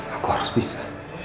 aku harus bisa